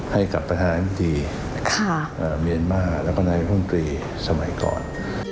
ให้กับประธานมิตรีเมียนมาร์และประนักภัณฑ์อังกฤษสมัยก่อน